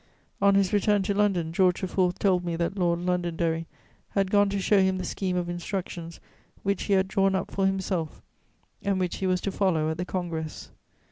On his return to London, George IV. told me that Lord Londonderry had gone to show him the scheme of instructions which he had drawn up for himself and which he was to follow at the Congress.